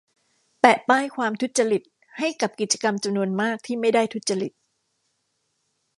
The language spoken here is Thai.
แปะป้ายความ ทุจริต ให้กับกิจกรรมจำนวนมากที่ไม่ได้ทุจริต